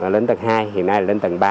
lên tầng hai hiện nay là lên tầng ba